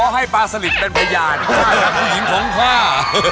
ให้ปลาสลิดเป็นพยานผู้หญิงของข้า